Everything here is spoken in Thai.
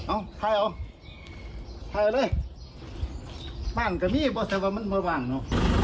อ้าวถ่ายออกถ่ายออกเลยบ้านกำลังนี่บอกว่ามันมาหว่างเนอะ